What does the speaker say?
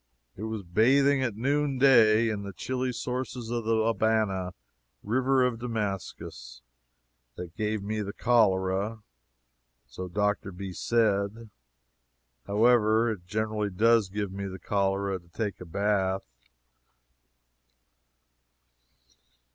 It was bathing at noonday in the chilly source of the Abana, "River of Damascus," that gave me the cholera, so Dr. B. said. However, it generally does give me the cholera to take a bath.